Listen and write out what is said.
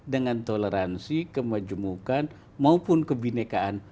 dengan toleransi kemajemukan maupun kebinekaan